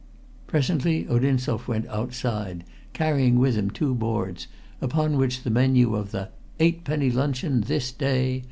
Presently Odinzoff went outside, carrying with him two boards upon which the menu of the "Eight penny Luncheon! This Day!"